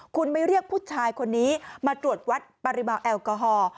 คุณไม่เรียกผู้ชายคนนี้มาตรวจวัดปริมาณแอลกอฮอล์